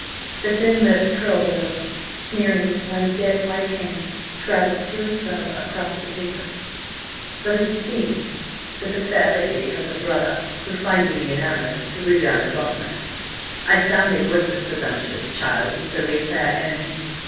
The thin lips curled a little, sneering, as one dead white hand travelled to and fro across the paper. "... but it seems that the Fair Lady has a Brother, who, finding Me Enamoured, threw down the Gauntlet. I soundly whipt the presumptuous Child, and so the Affair ends.